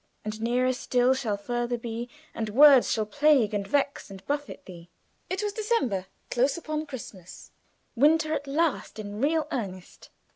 "And nearer still shall further be, And words shall plague and vex and buffet thee." It was December, close upon Christmas. Winter at last in real earnest.